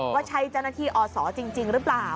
ว่าใช่เจ้าหน้าที่อศจริงหรือเปล่า